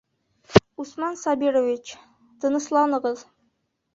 Усман Сабирович, тынысланығыҙ!..